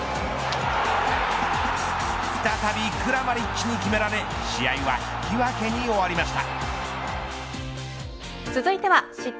再びクラマリッチに決められ試合は引き分けに終わりました。